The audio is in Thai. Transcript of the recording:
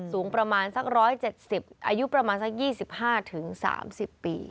สูงประมาณสัก๑๗๐อายุประมาณสัก๒๕๓๐ปี